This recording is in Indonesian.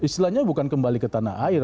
istilahnya bukan kembali ke tanah air